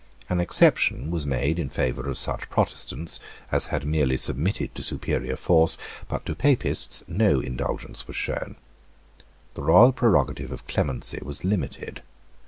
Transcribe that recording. An exception was made in favour of such Protestants as had merely submitted to superior force; but to Papists no indulgence was shown. The royal prerogative of clemency was limited.